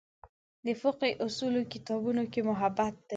د فقهې اصولو کتابونو کې مبحث دی.